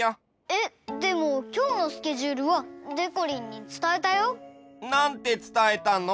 えっでもきょうのスケジュールはでこりんにつたえたよ。なんてつたえたの？